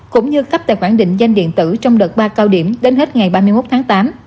cũng như cấp tài khoản định danh điện tử trong đợt ba cao điểm đến hết ngày ba mươi một tháng tám